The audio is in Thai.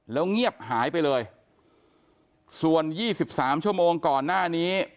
แล้วเงียบหายไปเลยส่วน๒๓ชั่วโมงก่อนหน้านี้